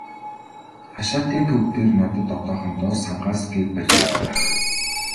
Хашаатын төв дээр надад одоохондоо сангаас гэр барьж өгөх байх.